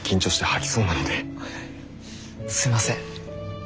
すいません。